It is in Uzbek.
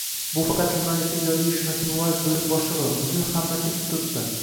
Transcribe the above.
Bu faqat jurnalistlar ijodiy uyushmasining viloyat bo'limi boshlig'i, bugun hamma tepib turibdi